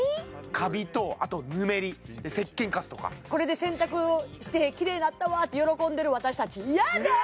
カビとあとぬめり石鹸カスとかこれで洗濯をしてキレイなったわって喜んでる私たちやだ！